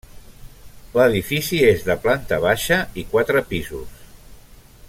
L'edifici és de planta baixa i quatre pisos.